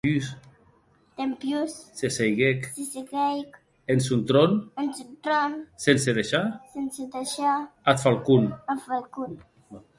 Dempús se seiguec en sòn tron, sense deishar ath falcon.